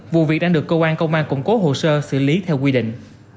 vụ việc đang được cơ quan công an củng cố hồ sơ xử lý theo quy định